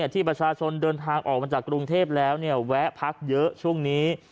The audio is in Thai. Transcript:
ที่ประชาชนเดินทางออกมาจากกรุงเทพแล้วแวะพักเยอะช่วงนี้